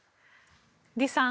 李さん